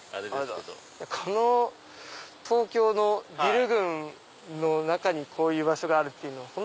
この東京のビル群の中にこういう場所があるのは本当。